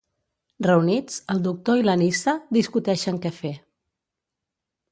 Reunits, el doctor i la Nyssa discuteixen què fer.